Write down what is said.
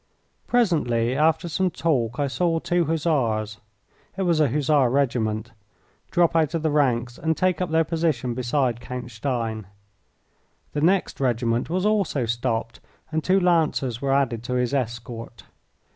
Presently after some talk I saw two Hussars it was a Hussar regiment drop out of the ranks and take up their position beside Count Stein. The next regiment was also stopped, and two Lancers were added to his escort.